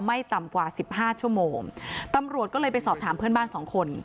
ไม่ต่ำกว่าสิบห้าชั่วโมงตำรวจก็เลยไปสอบถามเพื่อนบ้านสองคน